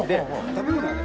食べ物はね